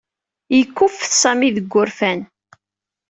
Yekkuffet Sami seg wurfan.